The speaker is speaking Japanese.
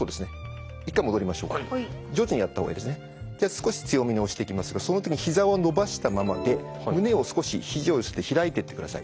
少し強めに押していきますがその時にひざを伸ばしたままで胸を少しひじを開いてってください。